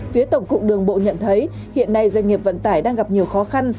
phía tổng cục đường bộ nhận thấy hiện nay doanh nghiệp vận tải đang gặp nhiều khó khăn